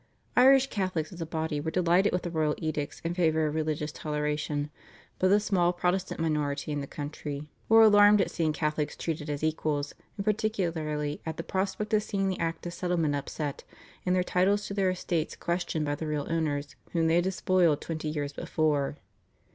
Irish Catholics as a body were delighted with the royal edicts in favour of religious toleration, but the small Protestant minority in the country were alarmed at seeing Catholics treated as equals, and particularly at the prospect of seeing the Act of Settlement upset, and their titles to their estates questioned by the real owners whom they had despoiled twenty years before.